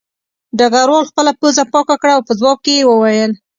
ډګروال خپله پوزه پاکه کړه او په ځواب کې یې وویل